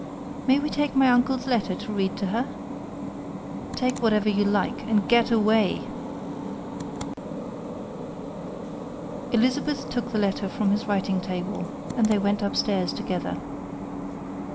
"May we take my uncle's letter to read to her?" "Take whatever you like, and get away." Elizabeth took the letter from his writing table, and they went upstairs together.